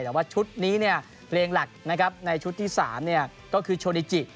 แต่ว่าชุดนี้เนี่ยเพลงหลักในชุดที่๓เนี่ยก็คือโชดิจิ